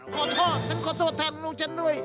ขอโทษฉันขอโทษท่านลูกฉันด้วย